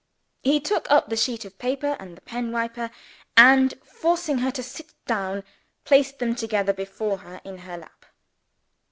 He took up the sheet of paper and the pen wiper; and, forcing her to sit down, placed them together before her, in her lap.